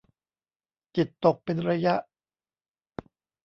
จิตตกเป็นระยะ